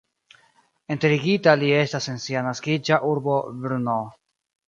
Enterigita li estas en sia naskiĝa urbo Brno.